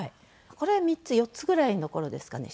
これ３つ４つぐらいの頃ですかね。